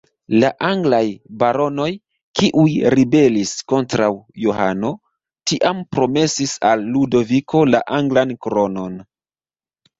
La anglaj baronoj, kiuj ribelis kontraŭ Johano, tiam promesis al Ludoviko la anglan kronon.